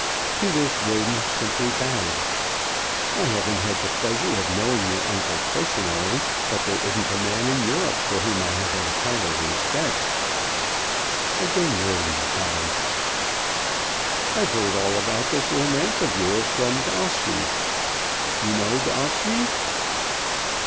To this Roden simply bowed. "I haven't the pleasure of knowing your uncle personally, but there isn't a man in Europe for whom I have a higher respect." Again Roden bowed. "I've heard all about this romance of yours from D'Ossi. You know D'Ossi?"